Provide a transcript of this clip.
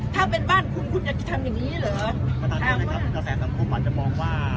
ถ้าเป็นบ้านคุณคุณจะทำอย่างงี้เหรอประธานกรุณาครับต่อแสดงสังคมมันจะมองว่า